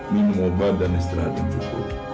minum obat dan istirahat yang cukup